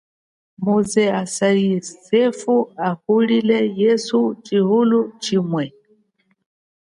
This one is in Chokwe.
Muze afarisewu akungulukile yesu yahula chihulo chino.